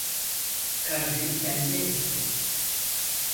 Kalbini kendi ezdi.